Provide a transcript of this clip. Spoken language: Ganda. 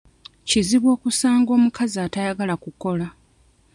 Kizibu okusanga omukazi atayagala kukola.